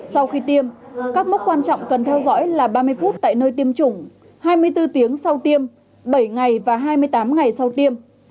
sau khi tiêm các mốc quan trọng cần theo dõi là ba mươi phút tại nơi tiêm chủng hai mươi bốn tiếng sau tiêm bảy ngày và hai mươi tám ngày sau tiêm